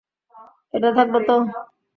এটা থাকবে তো?